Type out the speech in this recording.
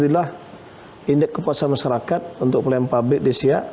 ini adalah indeks kepuasan masyarakat untuk pelayanan publik di siak